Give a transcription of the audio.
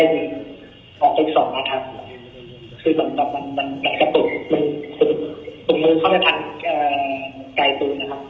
ตรงนี้ผมก็ไม่ได้นั่งใจครับเพื่อการดูเด็กนะครับ